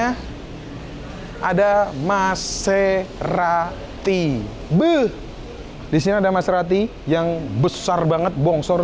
hai ada maserati beuh disini ada maserati yang besar banget bongsor